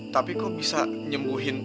tapi kamu bisa menyembuhkan ibu nek